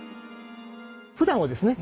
ふだんはですね